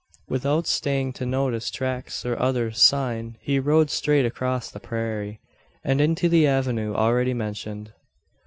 Without staying to notice tracks or other "sign," he rode straight across the prairie, and into the avenue already mentioned.